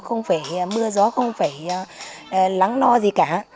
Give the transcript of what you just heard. không phải mưa gió không phải lắng no gì cả